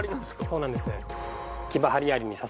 そうなんです